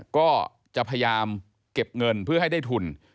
ก็จะพยายามเก็บเงินเพื่อให้ได้ทุน